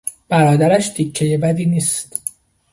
برادرش تیکهی بدی نیست!